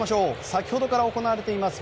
先ほどから行われています